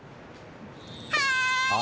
はい！